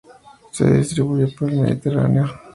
Se distribuye por el Mediterráneo.